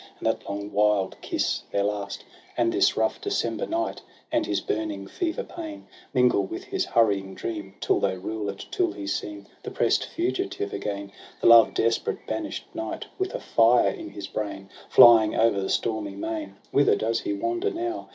And that long, wild kiss — their last. TRISTRAM AND ISEULT. 199 And this rough December night And his burning fever pain Mingle with his hurrying dream, Till they rule it, till he seem The press'd fugitive again, The love desperate banish'd knight With a fire in his brain Flying o'er the stormy main. — Whither does he wander now?